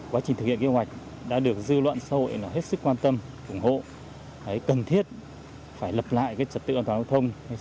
quá trình thực hiện kế hoạch đã được dư luận xã hội hết sức quan tâm ủng hộ cần thiết phải lập lại trật tự an toàn giao thông